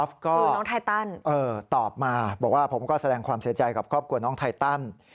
บอกว่าผมก็แสดงความเสียใจกับครอบครัวน้องไทตัน